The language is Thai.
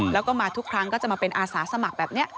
แล้วก็มาทุกครั้งก็จะมาเป็นอาสาสมัครแบบนี้